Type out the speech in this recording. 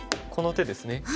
この手ですね。